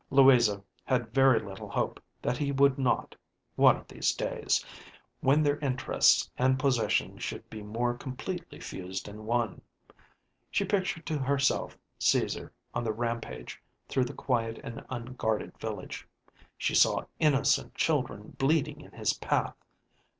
Louisa had very little hope that be would not, one of these days, when their interests and possessions should be more completely fused in one. She pictured to herself Caesar on the rampage through the quiet and unguarded village. She saw innocent children bleeding in his path.